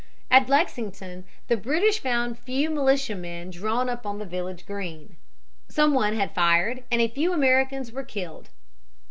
At Lexington, the British found a few militiamen drawn up on the village green. Some one fired and a few Americans were killed.